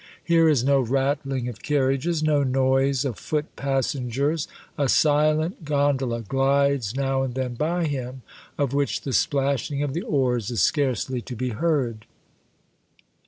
Here is no rattling of carriages, no noise of foot passengers; a silent gondola glides now and then by him, of which the splashing of the oars is scarcely to be heard.